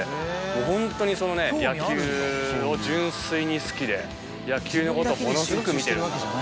もうホントにそのね野球を純粋に好きで野球のことをものすごく見てる。